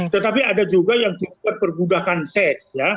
tetapi ada juga yang disebut pergudahan seks